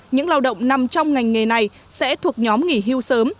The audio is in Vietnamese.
những lao động nằm trong ngành nghề này sẽ thuộc nhóm nghỉ hưu sớm